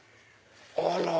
あら！